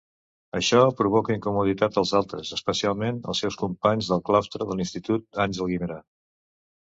Això provoca incomoditat als altres, especialment als seus companys del claustre de l'institut Àngel Guimerà.